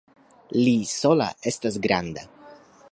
Li sola estas granda!